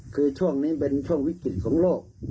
คือช่วงนี้เป็นช่วงวิกฤตของโลก